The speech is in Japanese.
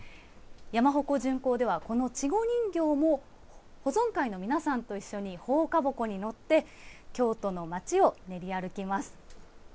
山鉾巡行ではこの稚児人形も、保存会の皆さんと一緒に放下鉾に乗って、京都の町を練り歩きます。